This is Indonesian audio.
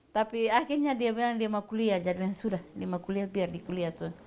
tapi akhirnya dia bilang dia mau kuliah jadi dia bilang sudah dia mau kuliah biar dikuliah